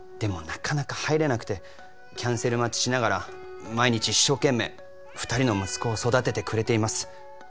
なかなか入れなくてキャンセル待ちしながら毎日一生懸命２人の息子を育ててくれています